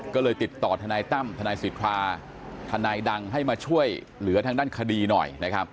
ก็เลยติดต่อทนายตั้มทนายสิทธาทนายดังให้มาช่วยเหลือทางด้านคดีหน่อยนะครับ